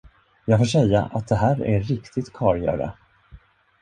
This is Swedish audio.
Jag får säga, att det här är riktigt karlgöra.